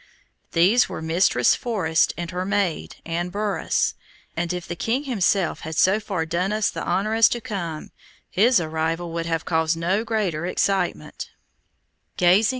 These were Mistress Forest, and her maid, Anne Burras, and if the king himself had so far done us the honor as to come, his arrival would have caused no greater excitement.